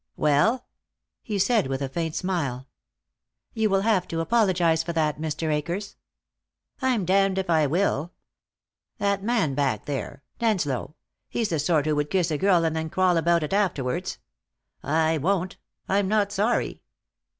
"Well?" he said, with a faint smile. "You will have to apologize for that, Mr. Akers." "I'm damned if I will. That man back there, Denslow he's the sort who would kiss a girl and then crawl about it afterwards. I won't. I'm not sorry.